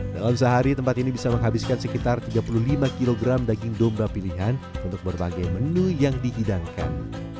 dalam sehari tempat ini bisa menghabiskan sekitar tiga puluh lima kg daging domba pilihan untuk berbagai menu yang dihidangkan